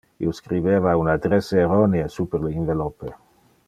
Io scribeva un adresse erronee super le inveloppe.